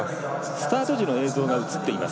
スタート時の映像です。